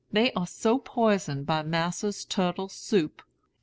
They are so poisoned by massa's turtle soup."